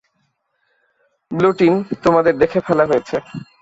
Blue team, তোমাদের দেখে ফেলা হয়েছে।